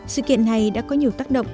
sự kiện này đã có nhiều tác động